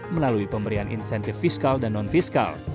melalui pemberian insentif fiskal dan non fiskal